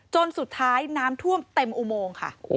จนสุดท้ายน้ำท่วมเต็มอุโมงค่ะ